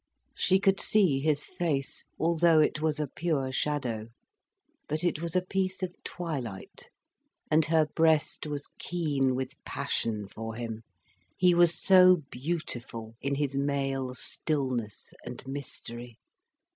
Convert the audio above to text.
She could see his face, although it was a pure shadow. But it was a piece of twilight. And her breast was keen with passion for him, he was so beautiful in his male stillness and mystery.